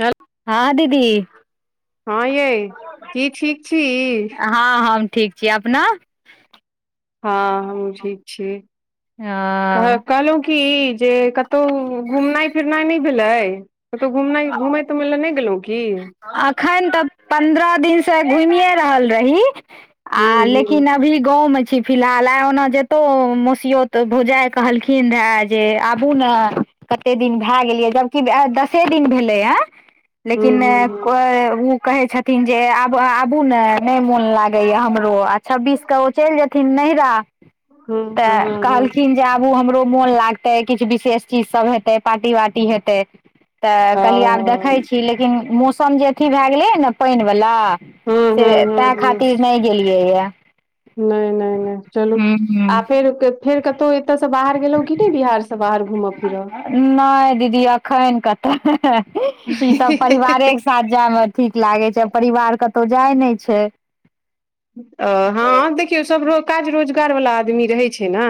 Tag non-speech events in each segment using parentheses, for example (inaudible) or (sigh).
तब, हँ दीदी हँ यै की ठीक छी। हँ हम ठीक छी, अपना। हँ हम ठीक छी, कह हँ कहलहुं की जे कतहु घुमनाइ फिरनाइ नहि भेलैइ, कतहु घुमनाइ घुमय तुमय लए नहि गेलहुँ की। हूँ अखैन तऽ पन्द्रह दिनसँ घुमिए रहल रही। आ हूँ लेकिन अभी गाँव में छी। फिलहाल आई ओना जेतौउ ओ, मोसीयोत भोउजाई कहलखिन रहै जे आबु न। कते दिन भए गेलियै जबकि ऐब दसे दिन भेलैए या, लेकिन हूँ नहि उ कहै छथिन जे आब आबु ने, नहि मोन लागैए हमरो आ छब्बीस क ओ चलि जेथिन नैहीरा, हूँ हूँ हूँ तैऽ हूँ हूँ हूँ कहलखिन जे आबू हमरो मोन लागतै, किछु विशेष चीज सब हेतै, पार्टी वार्टी हेतै। तऽ कहलियै आब ओ देखै छी लेकिन मौसम जे अथी भए गेलैए ने पानि वला हूँ से हूँ हूँ तै हूँ खातिर नहि गेलियैएया। नहि- नहि- नहि चलू, आ फेर- फेर कतहु एतय से बाहर गेलहुं की नहि बिहार स। सब बाहर घूमअ फिरअ। नहि दीदी अखन कत हा-हा-ही ई सब परिवारे साथ जाय मे ठीक लागे छै परिवार कतौ जाय नैए छैय। अ हँ देखियौ सब रो काज रोजगार वला आदमी रहै छैए न।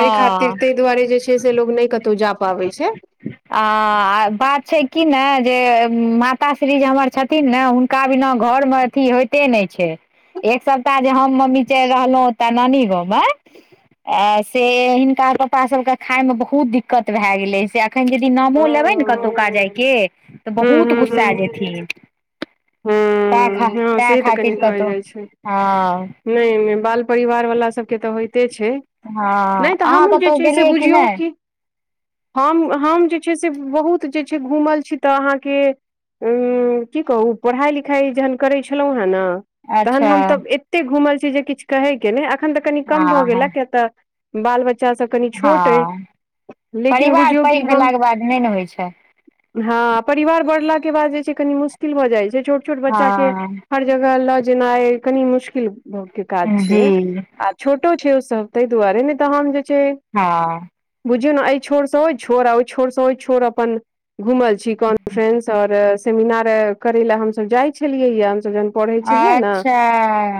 तैय खातिर ताहि दुआरे जे छै से लोक नहि कतहु जा पाबै छै। आ बात छै कि ने, जे माताश्री जे हमर छथिन ने हुन हुन का बिना घर मे अथी होइते नहि छै, एक सप्ताह जे हम मम्मी चलि रहलौउ। तटानानी ग ब (unintelligible) ए से हिनका पापा सभके खाायमे बहुत दिक्कत भए गेलै से एखन यदि नामो हू लेबै ने कतुका जायके तऽ हू बहुत गुस्सा जेथिन। ह्म्म तऽ ख तऽ खातिर कतो, हँ नहि नहि बाल परिवार वला सभके तऽ होइते अछि। हँ नहि तऽ अहाँ हमहहुँ जे कतहु छै से गेलियै बुझियौ नहि कि हम हम जे से बहुत जे छै घुमल छी तऽ अहाँके उ की कहू पढ़ाई लिखाई जहन करै छलौं हेँ ने तखन अच्छा हम तऽ एतेक घूमल छी जे किछु कहयके नहि एखन तऽ कनि कम भऽ हँ गेला हँ कियक तऽ बाल बच्चासभ कनि छोट अइ हँ लेकिन बुझियौ कि हम याद नहि ने होई छैय। हँ परिवार बढ़लाके बाद जे छै कनि मुश्किल भऽ जाइत छै छोट छोट बच्चाके हँ हर जगह लऽ जेनाइ अ कनी मुश्किल के काज जी छैय। आ छोटो छै ओसभ ताहि दुआरे ने तऽ हम जे छैय हाँ बुझू न अइ छोड़ स ओई छोड़ आ अय छोड़ स अपन घुमल छी कॉन्फ्रेंस आओर सेमिनार करैय लए हमसब जाय छलियै ह हमसब ज पढ़ैय छलिये न अच्छा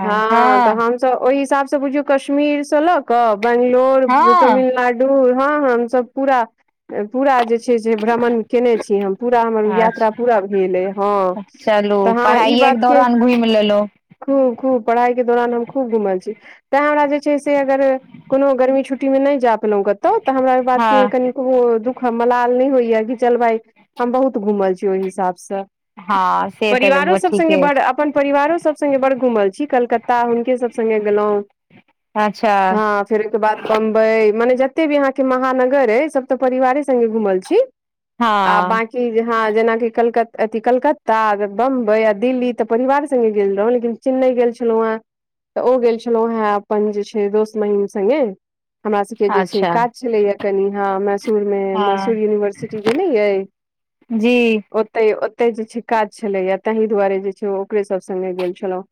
ह त हँ हम ओहि हिसाब स बुझयो कश्मीर स लऽ कऽ बैंगलोर हँ तमिलनाड (unintelligible) ह हम सब पुरा पुरा जे छैय से भ्रमण केने छी हम पुरा हमर यात्रा पुरा भेल अइ ह। चलु पढ़ाइके दौरान घुमि लेलहु। खुब खुब पढ़ाई के दौरान हम खुब घुमल छी। तै हमरा जे छय से अगर कोनो गर्मी छुट्टीमे नै जा पलहु घ तऽ हमरा ओहि बात के हँ कनि ओहो दुख मलाल नै होइयेकि चल भााय हम बहुत घुमल छी ओहि हिसाब स। हाँ परिवारो सब संगे बड़ अपन परिवारो सब संगे बड़ घुमल छी कलकत्ता हुनके सब संगे गेलौह। (inaudible) अच्छा ऽ फेर ओहिके बाद बम्बई मने जते भी अहाके महानगर अय सब तऽ परिवारे संगे घुमल छी। आ हँ बाकि की जे ह जेनाकि अथि कलकत्ता बम्बई आ दिल्ली तऽ परिवारे संगे गेल रहौ लेकिन चेन्नई गेल छलौ हे तऽ ओ गेल छलौ ह अपन जे छैय दोस्त महीम संगे हमरा सबके जे छैय अच्छा काज छलैया कनी हा मैसूर जे हँ मैसुर यूनिवर्सिटी जे नै अय? जी ओते ओते जे छैय काज छलैया ताहि दुआरे जे छैय ओकरे सब संगे गेल छलहु।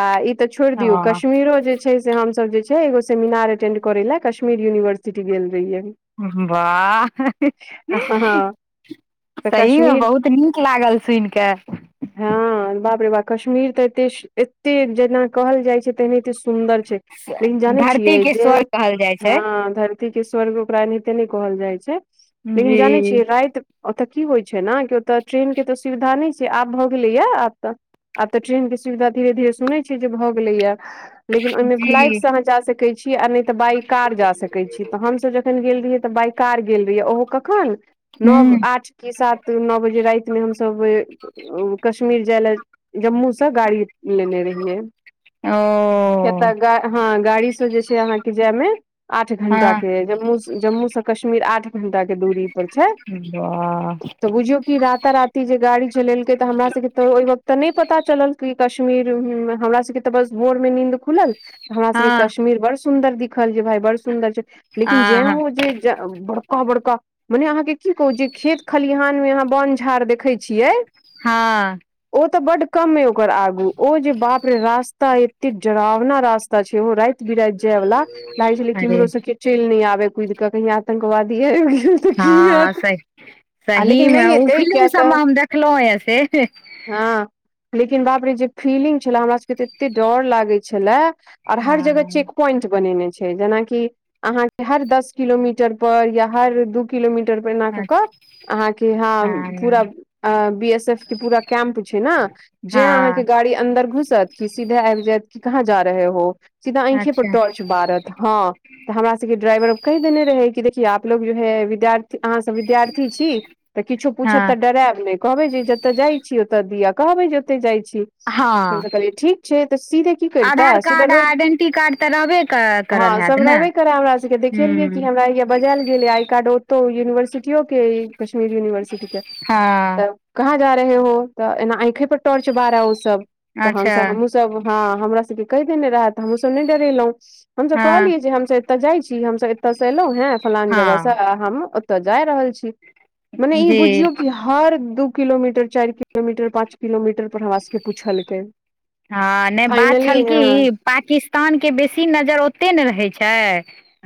आ इ तऽ छोड़ि दियौ हँ कश्मीरो जे छैय जे हम सब जे छैय एगो सेमिनार अटैंड करैय लेल कश्मीर यूनिवर्सिटी गेल रहियै। बाह हँ तऽ सहीमे कश्मीर बहुत नीक लागल सुनि कऽ। ह बाप रे बाप कश्मीर तऽ एते एते जेना कहल जाइ छैय तैयमे त सुन्दर छैय लेकिन जानै छियै धरती के जे स्वर्ग कहल जाइ छै ह के स्वर्ग ओकरा एनाहिते नै कहल जाइ छैय लेकिन जानै जी छियै राइत ओतऽ की होय छै न ओतऽ ट्रेनके तऽ सुविधा नै छैय आब भऽ गेलैया आब तऽ। आब तऽ ट्रेन के सुविधा धीरे- धीरे सुनै छियै जे भऽ गेलैया। लेकिन ओय मे फ्लाइट जी से आहाँ जा सकै छी आ नै तऽ बाई कार जा सकै छी तऽ हम सब जखन गेल रहियै। तऽ बाइकार गेल रहियै ओहो कखन नब, हूँ आठ कि सात न बजे रैत मे हमसब। कश्मीर जाय लए जम्मु सँ गाड़ी लेने रहिैयेै। ओ एतऽ गा हँ गाड़ीसे जे छैय अहाँके जाएमे। आठ घण्टा हँ के जम्मू -जम्मू से कश्मीर आठ घण्टा के दुरी। पर छैय वाह बुझियौ कि रता -रात। ई जे गाड़ी चलेलकै तऽ हमरा सबके तऽ ओहि वक्त तऽ नै पता चलल की कश्मीर हमरा सबके। तऽ बस भोरमे नींद खुलल। हमरा सबके हँ कश्मीर बड़ सुन्दर दिखल जे भाय बड़ सुन्दर छैय आ लेकिन जैं हो जे। जे बड़का -बड़का मने आहाँ के की कहु जे खेत खलिहानमे अहाँ बन झाड़ देखै छियै। हँ। ओ तऽ बड कमे ओकर आगु ओ जे बाप रे रास्ता अइ। एते डरावना रास्ता छैय ओहो रैत- बिरैत जाए वला लागैय छेलै की अरे किम्हरो से के चैल नै आबे कुदकऽ कहीं आतंकवादी आइब गेल। तऽ की हँ हैत सही आ लेकिन सहीमे नहि ओ एतै फिलिम किया तऽ सबमे हम देखलौ हेंँ से। हँ लेकिन बाप रे जे फीलिम छेलै हमरा सबके तऽ एते डर लागै छेल्ला। और हर जगह हँ चेक पोइंट बनेने छै। जेनाकि अहाँ के हर दस किलोमीटर पर या हर दू किलोमीटर पर एना कऽ कऽ अच्छा अहाँके हँ पूरा आ बी एस एफ के पूरा कैम्प छै ने। जें अहाँके हँ गाड़ी अन्दर घुसत की सीधे आइब जेएत कि कहाँ जा रहे हो सीधा अइखे पर अच्छा टॉरच बारत हँ तऽ हमरा सबके ड्राइवर कैह देने रहै। कि देखए आपलोग जो है विद्यायर अहाँ सब विद्यार्थी छी। तऽ किछो पूछत हँ तऽ डरेब नेै। कहबै जे जतऽ जाइ छी। ओतऽ दिया कहबै जे ओतऽ जाय छी। हँ हमसब कहलीयै ठीक छै। तऽ सीधे की करते आधार सीधा कार्ड आ रोइक आइडेंटी कार्ड तऽ रहबे क- करल हँ हैत सब ने रहबे करे हमरा सबके देखेलिेयै कि हूँ हमरा या बजायल गेल आई कार्ड ओतौ यूनिवर्सिटी कियो कहै कश्मीर यूनिवर्सिटी के हँ तऽ। कहाँ जा रहे हो तऽ एना अइखे पर टॉर्च बारे ओ सब तऽ अच्छा हमसब हमहुँ सब। सब हँ हमरा सबके कैह देने रहे तऽ हमहुँ सब नै डेरेलौ हमसब हँ कहलियै जे हमसे। ओतऽ जाय छी हम सब एतयसँ एलहुँ हेँ फलान जगह से हँ हम ओतऽ जाय रहल छी। मने ई जी बुझियौ कि हर दू किलोमीटर चैर किलोमीटर पांच किलोमीटर पर हमरा सबके पूछलकै। हँ नै बात छल की पाकिस्तानके बेसी नजैर ओतेैय ने रहै छै।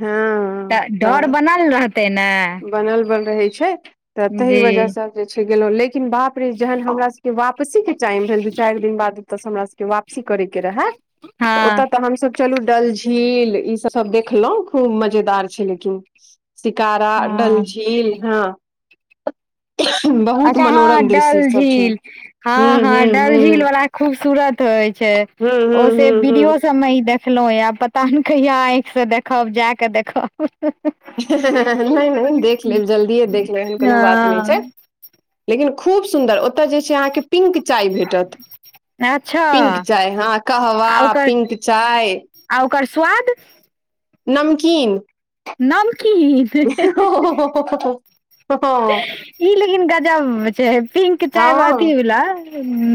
हँ डर तऽ बनल रहतै ने। बनल बल रहे छै तऽ तहै जी वजह से जे छै। गेलो लेै बाप रे जहन हमरा सब के वापसी के टाइम भेल दू चैर दिन बाद ओतऽ हमरा सबके वा सी करैके रहेए तऽ हँ ओतऽ तऽ हमसब चलू डलझील ई सब- सब देखलौ खूब मजेदार छै लेकिन शिकार हँ डलझील हँ। बहुत अच्छा हँ मनोरम डल दृश्य सब छै हूँ झील हँहँ हूँ डल झील हूँ बला खूबसूरत होय छै, हूँ हूँ ओ से हूँ हूँ वीडियो सब में ई देख खलौ या, पता नहि कहिया आँखि से देखब, जा कें देखब। नहि-नहि देख लेब, जल्दिए देख लेब, एहन कोनो बात नहि हँ छै। (unintelligible) किन खूब सुन्दर, ओतय जे छै अहाँके पिंक चाय भेटत। एच्छा। पिंक चाय हँ, कहवा पिंक चाय। आ ओकर स्वाद। नमकीन। नमकीन। हो पख प ई लेकिन गजब छै, पिंक चाय हँ अथी वला।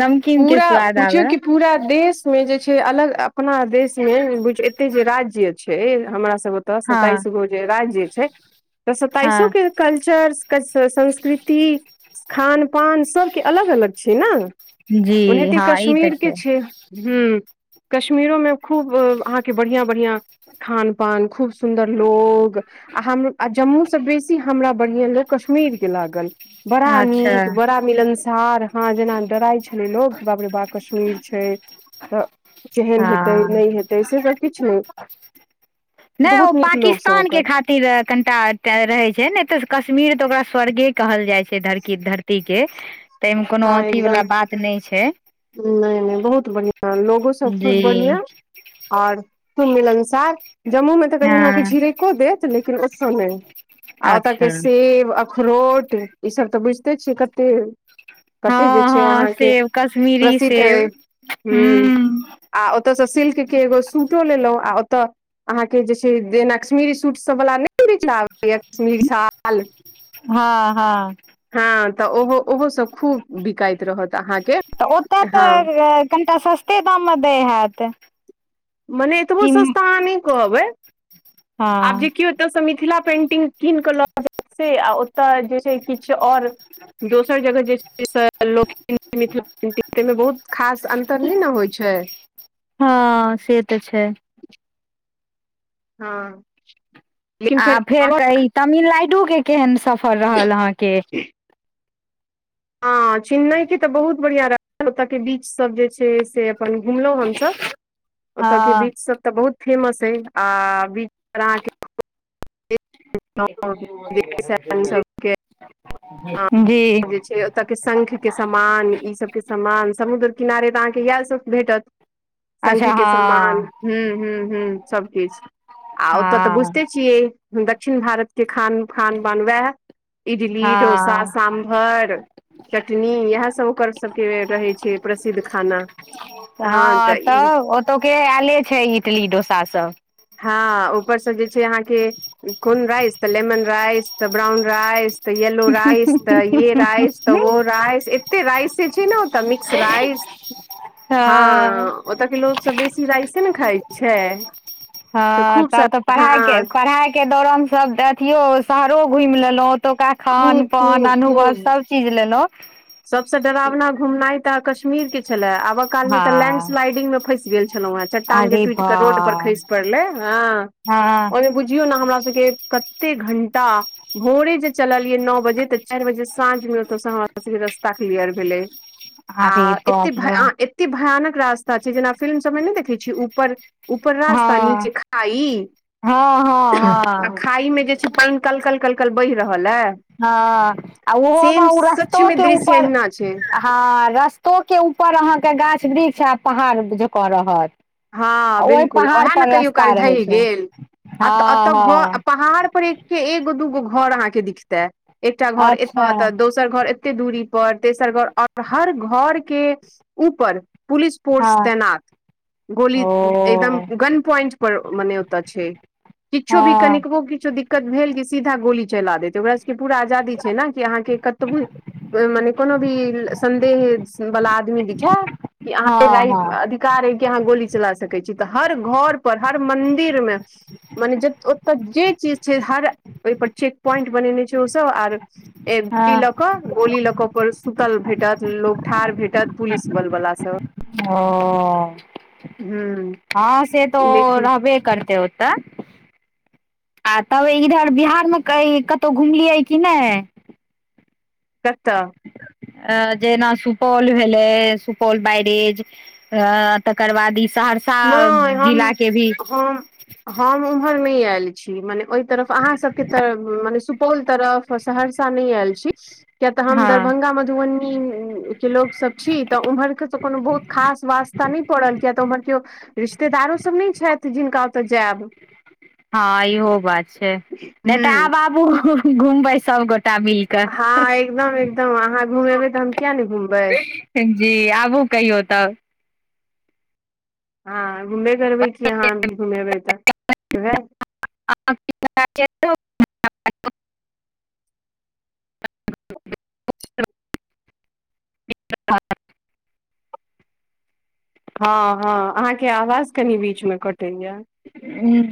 नम पूरा पुछियौ कि पूरा देशमे जे छै, अलग अपना देश मे बुझ एतय जे राज्य छै, हमरा सब ओतऽ सताइस हँ गो जे राज्य छै, तऽ सताइसो हँ के कल्चर, संस्कृति, खान -पान सबके अलग-अलग छै न। जी ओनहिते हँ ई तऽ कश्मीर के छै। हूं कश्मीरो मे खूब अहाँके बढ़ियां-बढ़ियां खान-पान खूब सुन्दर लोग। आ हम, आ जम्मूसँ बेसी हमरा बढ़ियां लोक कश्मीरके लागल। बड़ा अच्छा नीक, बड़ा मिलनसार, हँ जेना डराइ लोग, बाप रे बा कश्मीर छै त केहन हेतै हँ नहि हे हेतै, से सब किछ नहि। नहि ओ बहुत नीक लोक सब पाकिस्तान के ओकर खा तिर कनटा एकटा रहै छै, नहि तऽ कश्मीर तऽ, ओकरा स्वर्गे कहल जाइ छै धरकी- धरती के। तयमे कोनो अथी वला बात नहि छै। नहि-नहि बहुत बढ़ियां, लोगो सब खुब जी बढ़ियां। और तुम मिलनसार, जम्मू में तऽ कनि अहाँ के हँ झिरैक को देत, लेकिन ओसऽ नहि, आ ओतऽ अच्छा के सेब अ अखरोट ई सब तऽ बुझते छियै, कते कते जे हँ छै, हँ अहाँके सेब कश्मीरी प्रसिद्ध अय। सेब हूं हूँ आ ओतऽ सँ सिल्क के एगो सूटो लेलऊ, आ ओतऽ अहाँके जे छै, जेना कश्मीरी सूट सबवला नहि बेचै ला अबै य कश्मीरी साल। हँ- हँ। हँ तऽ ओहो-ओहो सब खूब बिकाइत रहत। अहाँके तऽ ओतऽ हँ तऽ कनटा सस्ते दाम मे दै हैत। मने एतबो कि सस्ता अहाँ नहि कहबै, हँ आब जे क्यो एतऽ सँ मिथिला पेंटिंग कीन के लऽ जाय से, आ ओतऽ जे छै। किछु और दोसर जगह जे (inaudible) से लोक मिथिला पेन्टिंग ताहिमे बहुत खास अन्तर नहि न होइ छै। हँ से तऽ छै। हँ। आ फेर कही, तमिलनायडु के केहन सफर रहल अहाँके। आं चेन्नई के तऽ बहुत बढ़िया रहल, ओत के बीच सब जे छै से अपन घुमलौं हमसब ओत के हँ बीच सब त बहुत फेमस ऐ आ बीच पर अहाँके (unintelligible) हँ जी जे छै अ। ताकि शंख के समान, ई सबके समान, समुद्र किनारे त अहाँके इएह सब भेटत। शंखके अच्छा के समान हँ हं-हं- हं सब किछ आ ओत त हँ बुझिते छियै। दक्षिण भारतके खान फानन बान वैए इडली डोस सा हँ सांभर चटनी इएह सब ओकर सबके रहै छै प्रसिद्ध खाना। हँ तऽ त ई ओतौ के आले छै, इडली डोसा सब। हँ ऊपरसं जे छै अहाँके, कोन राइस त लेमन राइस त ब्राउन राइस त एलो राइस, त ये राइस त ओ राइस, एते राइसे छै ने त मिक्स राइस। हं अं। ओतके लोक सब बेसी राइसे ने खाइ छै। तऽ हं खूब सा तब त पढ़ाई के, हँ पढ़ाई के दौरान सब त अथियो शहरो घुमि लेलौं। ओ तुका खान खूब पान, अनुभव सब चीज लेलौं। सबसं डरावना घुमनाइ त अ कश्मीर के छला। आबअ कालमे त हँ लैंडस्लाइडिंग मे फंसि गेल छलौं हें, चट्टान जे अरे टूटिक रोड पर बाप खसि पड़लै हं अं। हँ ओ इ बुझियौ ने हमरा सबके कते घंटा भोरे जे चललिअइ न बजे त चारि बजे साँझ मे ओत सं ह रस्ता क्लीअर भेलै आ अरे एते बाप रे धरा बाप ए एतेक भयानक रास्ता छै, जेना फिल्म सबमे नै देखै छियै ऊपर ऊपर रास्ता हँ नीचे खाई हँ हँ (inaudible) त हँ खाई मे जे छै पानि कलकल कलकल बहि रहल ऐ। हं आ उहोमे उ मे रस्तोके दृश्य ऊपर अहिना छै हं अं रस्तोके ऊपर अहाँके गाछ वृक्ष आ पहाड़ जकाँ रहत। हँ आ ओहि बिलकुल, पहाड़ ओहा ने पर कहियो रस्ता काल रहै ढहि छै गेल। हँ अत अत घर आ हँ पहाड़ पर एक के एगो दूगो घर अहाँके दिखता, एकटा घर एत अच्छा त दोस र घर एते दूरी पर तेसर घर आओर हर घर के ऊपर पुलिस त हँ फोर्स तैनात, गोली एकदम ओ गन पॉइंट पर मने ओत छै। किछो भी हँ कनिकबो किछो दिक्कत भेलकि सीधा गोली चला देतै ओकरा स बके पूरा आजादी छै न कि अहाँके कतबो मने कोनो भी संदेह वला आदमी जे छै कि अहाँके हँ राइ हँ अधि कार ऐ कि अहाँ गोली चला सकै छी, त हर घर पर हर मंदिर मे मने जे ओत जे चीज छै हर ओइ पर चेक प्वाइंट बनेने छै ओ सब आर (unintelligible) डी हँ लक गोली लक कोइ सुतल भेटत, लोक ठाढ़ भेटत, पुलिस बल वला सब। ओ ह (inaudible) हं से त ओ लेकिन रहबे करतै ओ त (inaudible) आ तब इधर बिहारमे कहीं कतौ घुम लियै कि नै? कत अ जेना सुपौल भेलै, सुपौल बैरेज अ तकर बाद ई सहर्स नहि हम हम हम उम्हर नहि आयल छी। मने ओहि तरफ अहाँसभके त मने सु पौल तरफ सहरसा नहि आयल छी किया त हम हँ दरभंगा मधुबनी के लोक सब छी। तऽ उम्हर के त कोनो बहुत खास वास्ता नहि पड़ल किया तऽ उम्हर केओ रिश्तेदारो सभ नहि छथि। जिनका ओतऽ जायब। हँ इहो बात छै। नहि तऽ हूँ आब आबु घुमबे सबगोटा मिलके। हँ एकदम एकदम अहाँ घुमेबै तऽ हम किया ने घुमबै। जी आबू कहियौ तब। हँ घूमबे करबै की। अहाँ घूमेबै तऽ वएह (inaudible) (inaudible) (inaudible) हँ हँ अहाँके आवाज कनि बीचमे कटै यए।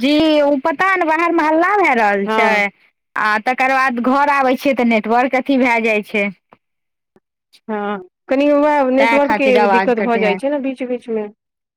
जी ओ पता ने बाहरमे हल्ला भए रहल छै। हँ आ तकर बाद घर आबै छियै तऽ। नेटवर्क अथी भए जाइ छै। हँ कनि वएह तैं नेटवर्कके खातिर आवाज दिक्कत भऽ कटै जाइ है छै ने, बीच बीचमे।